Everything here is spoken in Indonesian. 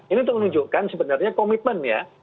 ini untuk menunjukkan sebenarnya komitmen ya